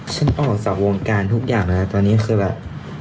ออกจากวงการทุกอย่างแล้วตอนนี้คือแบบ